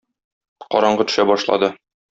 Караңгы төшә башлады.